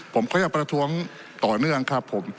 ผมก็จะประท้วงต่อเนื่องครับผม